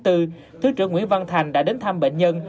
thứ trưởng nguyễn văn thành đã đến thăm bệnh nhân